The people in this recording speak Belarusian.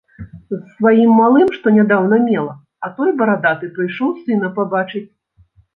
З сваім малым, што нядаўна мела, а той барадаты прыйшоў сына пабачыць.